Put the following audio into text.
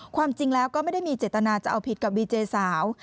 ความจริงแล้วก็ไม่ได้มีเจตนาจะเอาผิดกับดีเจสาว